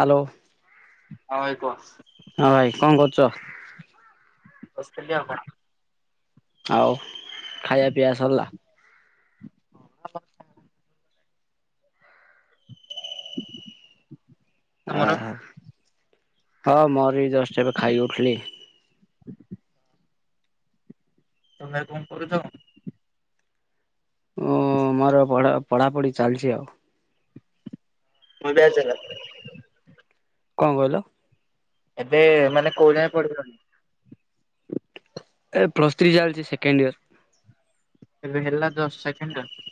Hello. ହଁ ଭାଇ କୁହ। ହଁ ଭାଇ କଁ କରୁଚ। ବସିଥିଲି ଆଉ। [unintelligible] ଆଉ ଖାଇବା ପିଇବା ସରିଲା। ତମର [unintelligible] ହଁ ମୋର ବି ଜଷ୍ଟ୍ ଏବେ ଖାଇକି ଉଠିଲି। ତମେ କଁ କରୁଚ କଁ। ମୁଁ ମର ପଢ଼ା ପଢ଼ାପଢ଼ି ଚାଲିଛି ଆଉ। ମୁଁ [unintelligible] କଁ କହିଲ। ଏବେ ମାନେ କୋଉ ଜାଏ ପଡିଲଣି। ଏ ପ୍ଲସ୍ ଥ୍ରୀ ଚାଲିଛି ସେକେଣ୍ଡ ଇୟର୍। [unintelligible] ହେଲା ଜଷ୍ଟ୍ ସେକେଣ୍ଡ ଇୟର।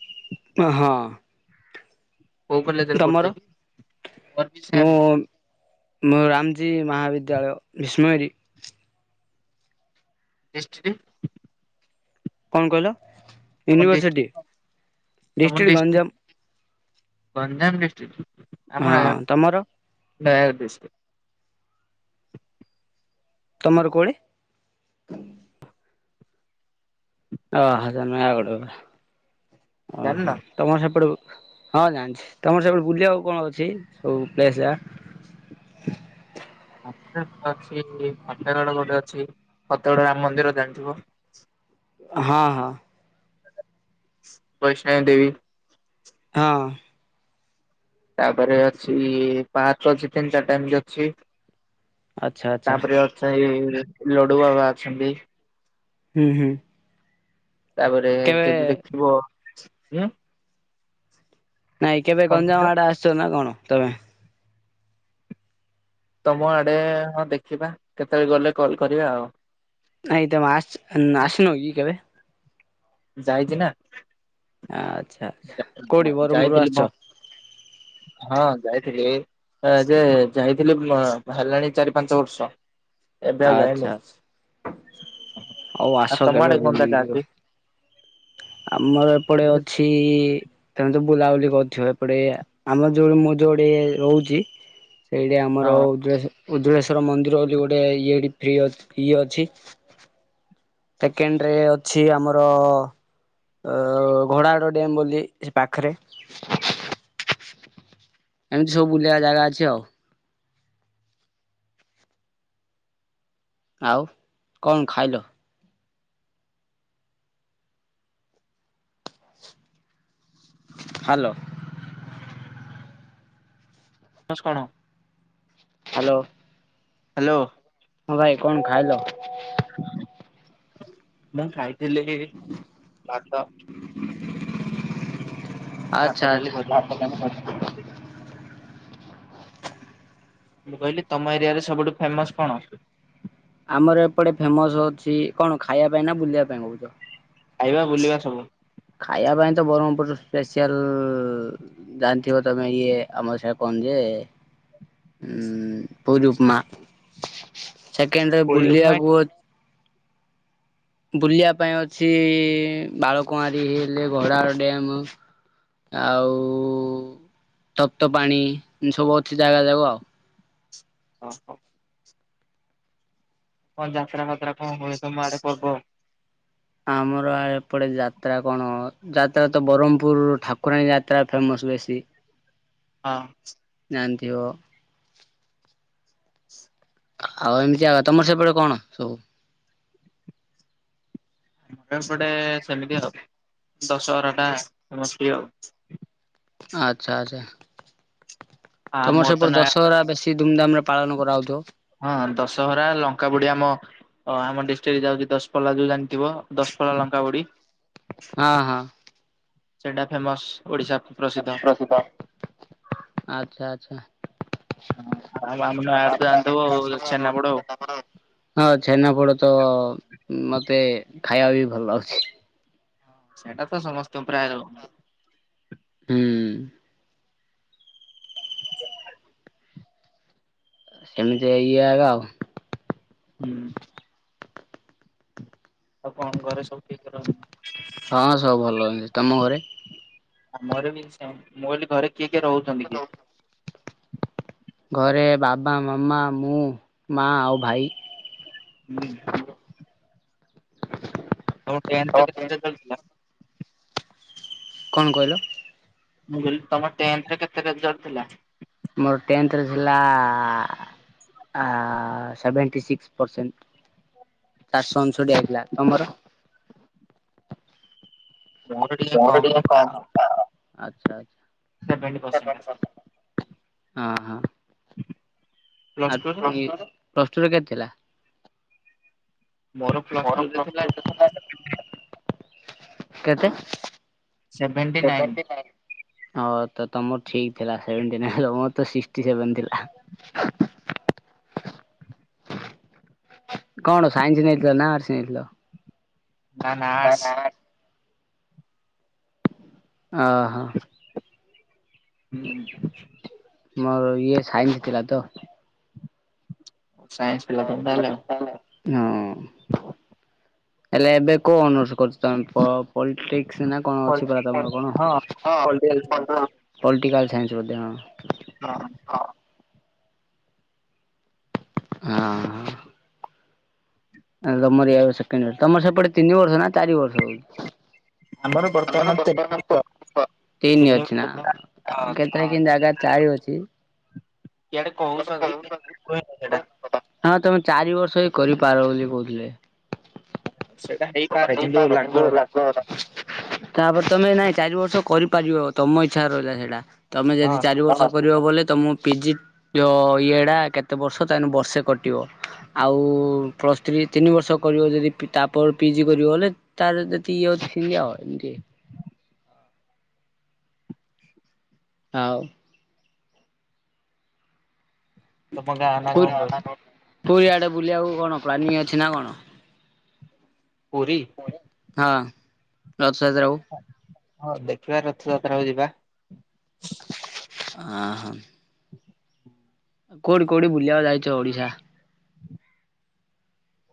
ଅହଁ। କୋଉ କଲେଜରେ ପଡୁଚ କି ମୋରୋ ବି ମୁଁ ସେମ୍ ମୁଁ ରାମଜୀ ମହାବିଦ୍ୟାଳୟ। [unintelligible] [unintelligible] କଁ କହିଲ ତମ ୟୁନିଭର୍ସିଟି ଡିଷ୍ଟ୍ରିକ୍ଟ ତମ [unintelligible] ଡିଷ୍ଟ୍ରିକ୍ଟ ଗଞ୍ଜାମ। ଗଞ୍ଜାମ ହଁ ତମର [unintelligible] ତମର କୋ ଆଡ଼େ [unintelligible] ନୟାଗଡ଼ ପରା ଜାଣିନ ଉଁହୁଁ। ତମର ସେପଟକୁ ହଁ ଜାଣିଛି ତମର [unintelligible] ବୁଲିବାକୁ କଣ ଅଛି ସବୁ ପ୍ଲେସ [unintelligible] ଆମର [unintelligible] ଗୋଟେ ଅଛି [unintelligible] ରାମ ମନ୍ଦିର ଜାଣିଥିବ। ହଁ ହଁ। ବୈଷ୍ଣବୀ ଦେବୀ। ହଁ। ତାପରେ ଅଛି [unintelligible] ଅଛି ତିନି ଚାରିଟା ଏମିତି ଅଛି। ଆଚ୍ଛା ଆଚ୍ଛା ତାପରେ [unintelligible] ଲଡୁ ବାବା ଅଛନ୍ତି। ହୁଁ ହୁଁ। ତାପରେ କେବେ ଯଦି ଦେଖିବ ହୁଁ। ନାଇଁ କେବେ କଣ କହିଲ ଗଞ୍ଜାମ ଆଡେ ଆସିଚ ନା କଣ ତମେ? ତମ ଆଡେ ହଁ ଦେଖିବା କେତେବେଳେ ଗଲେ କଲ୍ କରିବା ଆଉ। ନାଇଁ ତମେ ଆସଚ ଆସିନ କି କେବେ? ଯାଇଚି ନା। ଆଚ୍ଛା ଆଛା ଯା- କୋଉଠି ବରଂପୁର ଯାଇଥିଲି ମ- ଆସିଚ? ହଁ ଯାଇଥିଲି। ଏ ହଁ ଯେ ଯାଇଥିଲି ବା ହେଲାଣି ଚାରି ପାଞ୍ଚ ବର୍ଷ। ଏବେ ଆଉ ଆଚ୍ଛା ଯାଇନି। ଆଚ୍ଛା ହଉ ଆସ ଆ ତମ କେବେ ଆଡେ କଣ ବୁଲିକି ଜାଗା ଯିବ। ଅଛି? ଆମର ଏପଟେ ମୁଁ ଅଛି ତମେ ତ ବୁଲାବୁଲି କରୁଥିବ ଏପଟେ ଆମର ଯୋଉ ମୁଁ ଯୋଉଠି ରହୁଚି ଏଇଠି ହଁ ଆମର ଉଜଳେଶ ଉଜଳେଶ୍ଵର ମନ୍ଦିର ବୋଲି ଗୋଟେ ଇଏ ଟି ଫ୍ରି ଅ ଫ୍ରି ଅଛି। ସେକେଣ୍ଡ ରେ ଅଛି ଆମର ଅ ଘୋଡ଼ାହାଡ ଡ୍ୟାମ୍ ବୋଲି ସେ ପାଖରେ। ଏମିତି ସବୁ ବୁଲିବା ଜାଗା ଅଛି ଆଉ। ଆଉ କଣ ଖାଇଲ? ହାଲୋ। ଫାସ୍ କଣ? ହାଲୋ। ହାଲୋ। ହଁ ଭାଇ କଣ ଖାଇଲ? [inaudible] ମୁଁ ଖାଇଥିଲି କି ଭାତ ଆଚ୍ଛା ଭାତ ଆଚ୍ଛା। ଡାଲି ଭଜା ହଁ ହଁ ହଁ। ମୁଁ କହିଲି ତମ ଏରିଆରେ ସବୁଠୁ ଫେମସ୍ କଣ? ଆମର ଏପଟେ ଫେମସ୍ ହଉଚି କଣ ଖାଇବା ପାଇଁ ନା ବୁଲିବା ପାଇଁ କହୁଚ? ଖାଇବା ବୁଲିବା ସବୁ। ଖାଇବା ପାଇଁ ତ ବରମ୍ପୁର ର ସ୍ପେସିଆଲ୍ ଜାଣିଥିବ ତମେ ଇଏ ଆମର ସେ କଣ ଯେ ଉଁ ପୁରୀ ଉପମା ସେକେଣ୍ଡରେ ପୁରୀ ଉପମା ବୁଲିବାକୁ ବୁଲିବା ପାଇଁ ଅଛି ବାଳକୁଆଁରୀ ହେଲେ ଘୋଡ଼ାହାଡ ଡେମ। ଆଉ ତପ୍ତପାଣି ଏମତି ସବୁ ଅଛି ଜାଗା ଯାକ ଆଉ ଓ ହୋ। କଣ ଯାତ୍ରା ଫାତ୍ରା କଣ ହୁଏ ତମ ଆଡେ ପର୍ବ? ଆମର ଏପଟେ ଯାତ୍ରା କଣ ଯାତ୍ରା ତ ବରମ୍ପୁର ଠାକୁରାଣୀ ଯାତ୍ରା ଫେମସ୍ ବେଶୀ। ହଁ। ଜାଣିଥିବ। ଆଉ ଏମିତି ଆକା ତମର ସେପଟେ କଣ ସବୁ? ଏପଟେ ସେମିତି ଆଉ ଦଶହର ଟା ଫେମସ୍ ଟିକେ ଆଉ। ଆଚ୍ଛା ଆଚ୍ଛା ଆ ତମର ମୋର ତ ସେପଟେ ନୟା ଦଶହରା ବେଶୀ କି ଧୁମ୍ ଧାମ୍ ରେ ପାଳନ କରାଯାଉଥିବ। ହଁ ଦଶହରା ଲଙ୍କା ପୋଡି ଆମ ହଁ ଆମ ଡିଷ୍ଟ୍ରିକ୍ଟରେ ଯାଉଚି ଦଶପଲ୍ଲା ଯୋଉ ଜାଣିଥିବ ଦଶପଲ୍ଲା ଲଙ୍କା ପୋଡି ହଁ ହଁ। ସେଇଟା ଫେମସ୍ ଓଡିଶା ପ୍ରସିଦ୍ଧ ଆଚ୍ଛା ଆଚ୍ଛା। ଆଉ [unintelligible] ଆମ ନୟାଗଡ଼ ତ ଜାଣିଥିବ ଆଉ ଛେନାପୋଡ ଆଉ। ହଁ ଛେନାପୋଡ଼ ତ ମତେ ଖାଇବାକୁ ବି ଭଲ ଲାଗୁଚି। ସେଇଟା ତ ସମସ୍ତଙ୍କୁ ପ୍ରାୟ ହୁଁ। ସେମିତିଆ ଇଏ ଆଗ ଆଉ। ହୁଁ। ଆଉ କଣ ଘରେ ସବୁ ଠିକ ରହି ହଁଁ ସବୁ ଭଲ ଅଛି ତମ ଘରେ? ଆମ ମୋର ବି ସେମ ମୁଁ କହିଲି ଘରେ କିଏ କିଏ ରହୁଛନ୍ତି କିଏ? ଘରେ ବାବା, ମାମା, ମୁଁ, ମାଆ, ଆଉ ଭାଇ। ହୁଁ। ତମ ଟୁନଥରେ କେତେ ରେଜଲ୍ଟ ଥିଲା? କଣ କହିଲ? ମୁଁ କହିଲି ତମ ଟେନଥରେ କେତେ ରେଜଲ୍ଟ ଥିଲା? ମୋର ଟେନ୍ଥରେ ଥିଲା ଆ ସେଭେଣ୍ଟି ସିକ୍ସ ପର୍ସେଣ୍ଟ ଚାରଶ ଅନଷଠି ଆଇଥିଲା ତମର? ମୋର ଟିକେ ଆଛା କମ ଥିଲା ଆଛା। ସେଭେଣ୍ଟି ପରସେଣ୍ଟ ଆସିଥିଲା। ହଁ ହଁ ପ୍ଲସ ଆ ତ ଟୁରେ? ଇଏ ପ୍ଲସ ଟୁରେ କେତେ ଥିଲା? ମୋର ପ୍ଲସ ଟୁ ରେ ଥିଲା କେତେ? Seventy nine seventy five. ହଁ ତ ତମର ଠିକ ଥିଲା ସେଭଣ୍ଟେ ନା ମୋର ତ ସିକ୍ସଟି ସେଭନ ଥିଲା। କଣ ସାଇନ୍ସ ନେଇଥିଲ ନା ଆଟସ୍ ନେଇଥିଲ? ନା ନା ଆଟସ୍। ଓହୋ। ହୁଁ। ମୋର ଇଏ ସାଇନ୍ସ ଥିଲା ତ। ସାଇନ୍ସ ଥିଲା ତ ତାହେଲେ ଆଉ ହଁ। ହେଲେ ଏବେ କୋଉ ଅନର୍ସ କରୁଚ ପ-ପଲିଟିକ୍ସ ନା କଣ ଅଛି ପଲ- ପରା ତମର କଣ ହଁ ପଲିଟିକାଲ ସାଇନ୍ସ ପଲିଟିକାଲ ସାଇନ୍ସ ବୋଧେ ହଁ। ହଁ। ହଁ। ଏ ତମର ଆ ସେକଣ୍ଡ ଇଅର ତମର ସପଟେ ତିନି ବର୍ଷ ନା ଚାରି ବର୍ଷ ହୋଉଚି? ଆମର ବର୍ତ୍ତମାନ [inaudible] ତିନି ଅଛି ନା କେତେ କିନ୍ ଜାଗା ଚାରି ଅଛି। ଇଆଡେ କୋହୁଛନ୍ତି କିନ୍ତୁ [inaudible] ସେଇଟା। ହଁ ତମେ ଚାରି ବର୍ଷ ବି କରିପାର ବୋଲି କୋହୁଥିଲେ ସେଟା ହେଇ ହେଇପାରେ କିନ୍ତୁ ଲାଗୁହେରା ତାପରେ ତମେ ନାଇଁ ଚାରି ବର୍ଷ କରିପାରିବ ତମ ଇଚ୍ଛା ରହିଲା ସେଟା ତମେ ହଁ ଯଦି ଚାରି ସେଇଟା। ବର୍ଷ କରିବ ବୋଲି ତମ ପିଜି ଅ ଇଏଟା କେତେ ବର୍ଷ ତାନେ ବର୍ଷେ କଟିବ। ଆଉ ପ୍ଲସ ଥ୍ରୀ ତିନି ବର୍ଷ କରିବ ଯଦି ପି ତାପରେ ପିଜି କରିବ ହେଲେ ତାର ଯଦି ଇଏ ଅଛି [unintelligible] ଆଉ ତମ ଗାଁ ନା କଣ ପୁରୀ କହିଲ ପୁରୀଆଡେ ବୁଲିବାକୁ କଣ ପ୍ଲାନିଂ ଅଛି ନା କଣ? ପୁରୀ ହଁ ରଥଯାତ୍ରାକୁ? ହଁ ଦେଖିବା ରଥଯାତ୍ରାକୁ ଯିବା। ଆହଁ। ହ କୋଉଠିକି କୋଉଠିକି ବୁଲିବାକୁ ଯାଇଛ ଓଡିଶା?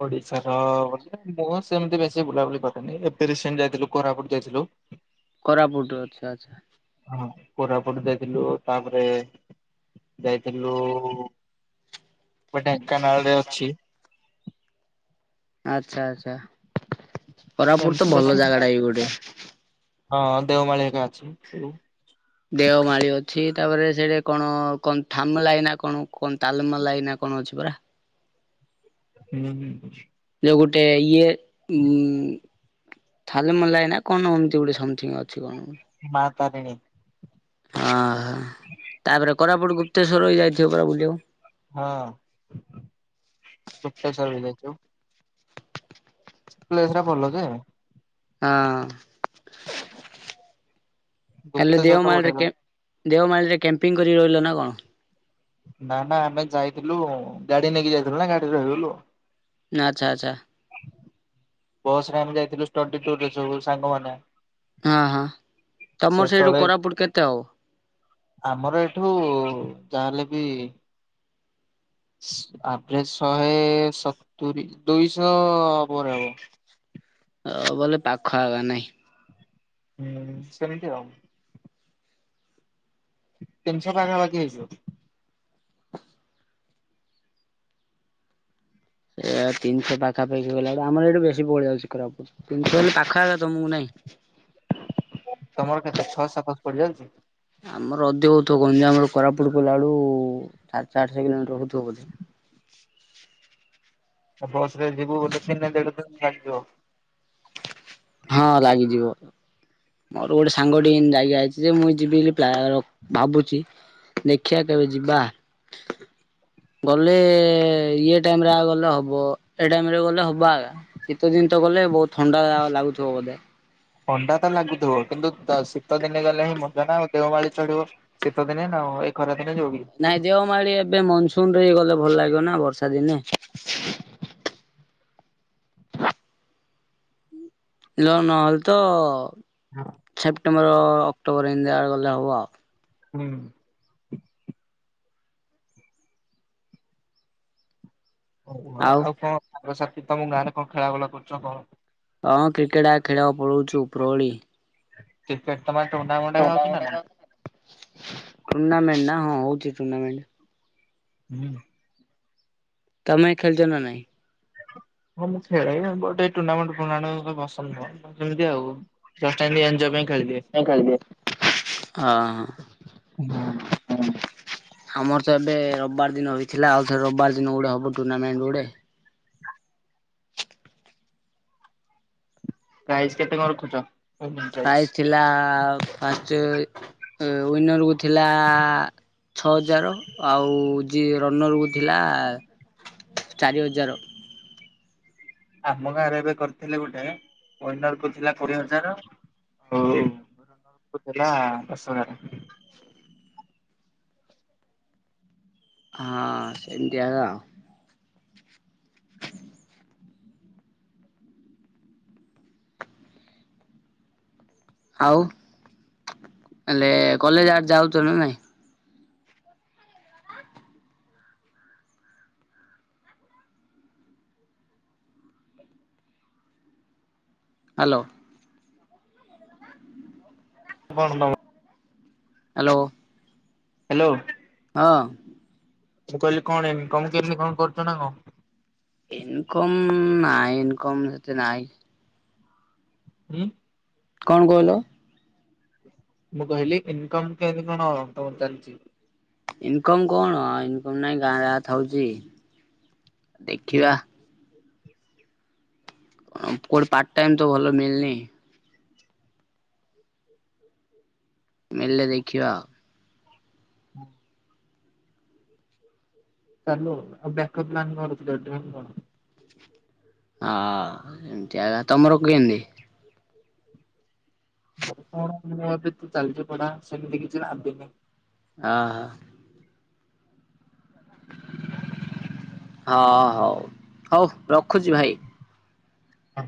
ଓଡିଶାର [inaudible] ମୁଁ ସେମତି ବେଶୀ ବୁଲାବୁଲି କରେନି। ଏବେ ରିଶେଣ୍ଟ ଯାଇଥିଲୁ କୋରାପୁଟ ଯାଇଥିଲୁ। କୋରାପୁଟ ଅଚ୍ଛା, ଆଚ୍ଛା। ହଁ କୋରାପୁଟ ଯାଇଥିଲୁ। ତାପରେ ଯାଇଥିଲୁ ମୁଁ ଢେଙ୍କାନାଳରେ ଅଛି। ଆଚ୍ଛା, ଆଚ୍ଛା କୋରାପୁଟ ସେମିତି ତ ବେଶୀ ଭଲ ଜାଗା ଟା ଏଇ ଗୋଟେ। ହଁ ଦେଓମାଳି ହେକା ଅଛି। [inaudible] ଦେଅମାଳି ଅଛି, ତାପରେ ସେଠି କଣ କନ୍ ଥାମଲାଇ ନା କଣ କଣ ତାଲମଲାଇ ନା କଣ ଅଛି ପରା? ହୁଁ। ଯୋଉ ଗୋଟେ ଇଏ ଉଁ, ଥାଲମଲାଇ ନା କଣ ଏମତି ଗୋଟେ ସମଥିଙ୍ଗ ଅଛି କଣ? ମା ତାରିଣୀ। ଓହୋ, ତାପରେ କୋରାପୁଟ ଗୁପ୍ତେଶ୍ୱର ଏଇ ଯାଇଥିବ ପରା ବୁଲିବାକୁ। ହଁ ଗୁପ୍ତେଶ୍ୱର ବି ଯାଇଛୁ। ପ୍ଲେସ୍ ଟା ଭଲ ଯେ। ହଁ ଖାଲି ଗୁପ୍ତେଶ୍ୱର ଟା ଦେଓମାଳି ବଢିଆ ରେ ଲାଗେ। କେ ଦେଓମାଳିରେ କ୍ୟାମ୍ପିଂ କରିକି ରହିଲ ନା କଣ? ନା ନା ଆମେ ଯାଇଥିଲୁ ଗାଡି ନେଇକି ଯାଇଥିଲୁ ନା। ଗାଡିରେ ରହିଗଲୁ ଆଉ। ନା ଆଚ୍ଛା, ଆଚ୍ଛା। ବସ୍ ରେ ଆମେ ଯାଇଥିଲୁ ଷ୍ଟଡି ଟୁର୍ ରେ ସବୁ ସାଙ୍ଗମାନେ। ହଁ, ହଁ ତୋମର ସେଇଠୁ ସେତେବେଳେ କୋରାପୁଟ କେତେ ହବ? ଆମର ଏଠୁ ଯାହା ହେଲେ ବି ଆଭରେଜ୍ ଶହେ ସତୁରି, ଦୁଇଶହ ପରେ ହବ। ଓ ବୋଲେ ପାଖ ଆଖ ନାହିଁ। ହୁଁ, ସେମିତି ଆଉ। ତିନ ଶହ ପାଖା ପାଖି ହେଇଯିବ। ଏ ତିନିଶହ ପାଖାପାଖି ଗଲାବେଳୁ, ଆମର ଏଠୁ ବେଶୀ ପଡ ଯାଉଛି କୋରାପୁଟ। ତିନ ଶହ ହେଲେ ପାଖ ଆଖ ତୋମକୁ ନାହିଁ। ତୋମର କେତେ ଛଅ ସାତ ଶହ ପଡିଯାଉଛି? ଆମର ଅଧିକ ହଉଥୁବ, ଗଞ୍ଜାମରୁ କୋରାପୁଟ ଗଲାବେଳୁ ସାତଶହ ଆଠଶହ କିଲୋମିଟର ହଉଥୁବ ବୋଧେ। ବସ୍ ରେ ଯିବୁ ବୋଲେ ଦିନେ ଦେଢ ଦିନ ଲାଗ ଯିବ। ହଁ ଲାଗିଯିବ। ମୋର ଗୋଟେ ସାଙ୍ଗ ଟି ଏମତି ଯାଇକି ଆଇଛି ଯେ ମୁଁ ଯିବି ବୋଲି ପ୍ଲାର ଭାବୁଛି। ଦେଖିଆ କେବେ ଯିବା। ଗଲେ ଇଏ ଟାଇମ୍ ରେ ଆ, ଗଲେ ହବ, ଏ ଟାଇମ୍ ରେ ଗଲେ ହବ ଆକା? ଶୀତ ଦିନ ତ ଗଲେ ବହୁତ ଥଣ୍ଡା ଲାଗୁଥିବ ବୋଧେ। ଥଣ୍ଡା ତ ଲାଗୁଥୁବ, କିନ୍ତୁ ତ ଶୀତ ଦିନେ ଗଲେ ହିଁ ମଜା ନା ଆଉ ଦେଓମାଳି ଚଢିବ। ଶୀତ ଦିନେ ନା ଆଉ, ଏ ଖରା ଦିନେ ଯିବକି? ନାଇଁ ଦେଓମାଳି ଏବେ ମନସୁନ୍ ରେ ଗଲେ ଭଲ ଲାଗିବ ନା ବର୍ଷା ଦିନେ। ଲ- ନହେଲେ ତ ହଁ। ସେପ୍ଟେମ୍ବର ଅକ୍ଟୋବର ଏମିତିଆ ଗଲେ ହବ। ହୁଁ। ହଉ ଆ, ଆଉ କଣ ସାଙ୍ଗସାଥୀ ତୋମ ଗାଁରେ କଣ ଖେଳା ବୁଲ କରୁଚ କହ? ଅଁ, କ୍ରିକେଟ୍ ଆ, ଖେଳିବାକୁ ପଳଉଛୁ ଉପରଓଳି। କ୍ରିକେଟ୍ ତୋମ ଗାଁ ରେ ଟୁଣ୍ଣାମେଣ୍ଟ ହେକା ହଉଚି ନା ନାହିଁ? ଟୁର୍ଣ୍ଣାମେଣ୍ଟ ନା ହଁ ହଉଚି ଟୁର୍ଣ୍ଣାମେଣ୍ଟ। ହୁଏନା? ତୋମେ ଖେଳୁଛ ନା ନାହିଁ? ହଁ ମୁଁ ଖେଳେ, ବଟ୍ ଏ ଟୁର୍ଣ୍ଣାମେଣ୍ଟ ଫୁର୍ଣ୍ଣାମେଣ୍ଟ ଏ ସବୁ ପସନ୍ଦ ନୁହଁ, ତ ସେମିତି ଆଉ। ଜଷ୍ଟ ଏମତି ଏନଜୟ ପାଇଁ ଖେଳି ଦିଏ। ହଁ। ଉଁ ହୁଁ। ଆମର ତ ଏବେ ରବିବାର ଦିନ ହୋଇ ଥିଲା ଆଉଥରେ ରବିବାର ଦିନ ଗୁଡ଼େ ହେବ ଟୁର୍ଣ୍ଣାମେଣ୍ଟ ଗୁଡ଼େ। ପ୍ରାଇଜ କେତେ କଣ ରଖୁଛ? ହେଲା ଫାଷ୍ଟ ୱି ୱିନର କୁ ଥିଲା ଛଅ ହଜାର ଆଉ ଯିଏ ରନର କୁ ଥିଲା ଚାରି ହଜାର। ଆମ ଗାଁରେ ଏବେ କରିଥିଲେ ଗୋଟେ ୱିନର କୁ ଥିଲା କୋଡ଼ିଏ ହଜାର ହୋଉ ରନର କୁ ଥିଲା ଦଶ ହଜାରେ। ହଁ ସେମିତି ଦିଆହେଲା। ଆଉ ତାହେଲେ କଲେଜ ଆଡ଼େ ଯାଉଛ ନା ନାଇଁ? ହାଲୋ। [unintelligible] ହାଲୋ। ହାଲୋ। ହଁ। ମୁଁ କହିଲି କଣ ଇନକମ୍ କେମିତି କଣ କରୁଛ ନା କଣ? ଇନକମ୍ ନାଇଁ ଇନକମ୍ ସେତେ ନାଇଁ। ହୁଁ? କଣ କହିଲ? ମୁଁ କହିଲି ଇନ୍ କମ କେମିତି କଣ ତମର ଚାଲିଛି? ଇନକମ୍ କଣ ଇନକମ୍ ନାଇଁ ଗାଁ ଥାଉଛି ହୁଁ ଦେଖିବା। କଣ କୁଆଡ଼େ ପାର୍ଟ ଟାଇମ୍ ତ ଭଲ ମିଳିନି। ମିଳିଲେ ଦେଖିବା ଆଉ। [unintelligible] ଚାଲୁ ଆଉ ବ୍ୟାକଅପ୍ ପ୍ଲାନ୍ କରୁଥିଲେ ଡ୍ରିମ୍ କଣ? ଆ ଏମିତିଆ ତ ତମର କେମିତି? ମୋର କଣ ମୋର ବି ତ ଚାଲିଛି ପଢ଼ା ସେମିତି କିଛି ଭାବିନି। ଆ ହା। ହ ହଉ ହଉ ରଖୁଛି ଭାଇ। ହଁ।